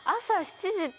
朝７時。